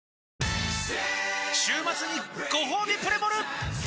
週末にごほうびプレモル！